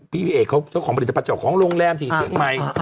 พี่เอกเขาของบริษัทภัณฑ์เจ้าของโรงแรมที่เกิดใหม่